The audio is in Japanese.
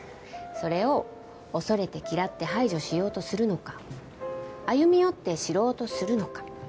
それを恐れて嫌って排除しようとするのか歩み寄って知ろうとするのか。